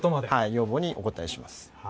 要望にお応えします。